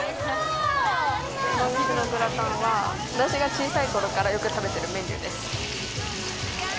この店のグラタンは、私が小さい頃から、よく食べてるメニューです。